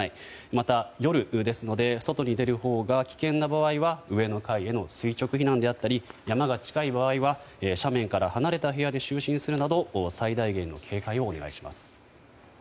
また、夜ですので外に出るほうが危険な場合は上の階への垂直避難であったり山が近い場合は斜面から離れた部屋で就寝するなど最大限の警戒をお願いします。